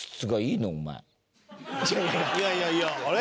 いやいやいやあれ？